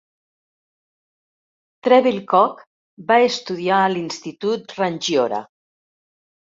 Trebilcock va estudiar a l'institut Rangiora.